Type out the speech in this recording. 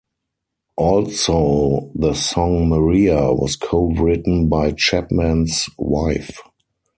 Also, the song "Maria" was co-written by Chapman's wife.